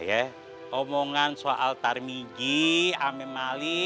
ya omongan soal tarmi ji ame mali